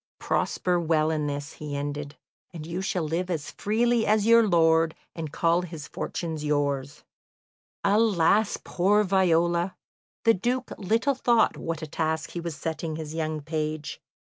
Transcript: "Prosper well in this," he ended, "and you shall live as freely as your lord, and call his fortunes yours." Alas, poor Viola! The Duke little thought what a task he was setting his young page.